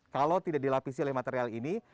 kalau tidak dilapisi oleh material ini